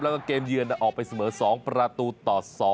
แล้วก็เกมเยือนออกไปเสมอ๒ประตูต่อ๒